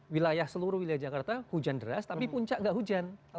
wilayah seluruh wilayah jakarta hujan deras tapi puncak nggak hujan